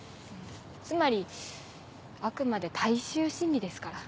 つまりあくまで大衆心理ですから。